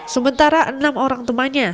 sementara enam orang temannya